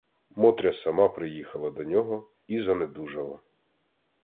Мотря сама приїхала до нього і занедужала.